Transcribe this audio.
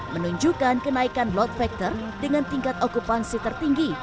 menunjukkan kenaikan load factor dengan tingkat okupansi tertinggi